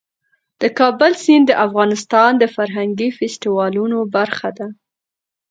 د کابل سیند د افغانستان د فرهنګي فستیوالونو برخه ده.